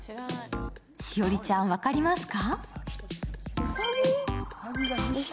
栞里ちゃん、分かりますか。